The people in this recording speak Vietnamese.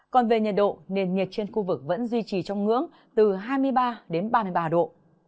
còn về nhiệt độ nền nhiệt trên khu vực vẫn duy trì trong ngưỡng từ hai mươi ba đến ba mươi ba độ